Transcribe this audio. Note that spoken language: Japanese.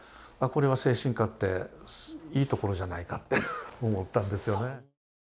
これは精神科っていいところじゃないかって思ったんですね。